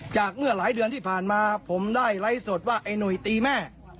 เมื่อหลายเดือนที่ผ่านมาผมได้ไลฟ์สดว่าไอ้หนุ่ยตีแม่